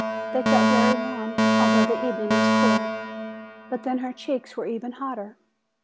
They felt very warm, although the evening was cool. But then her cheeks were even hotter.